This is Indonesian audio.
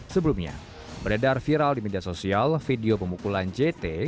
sebelumnya beredar viral di media sosial video pemukulan jt